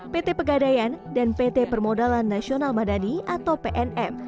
pt pegadaian dan pt permodalan nasional madani atau pnm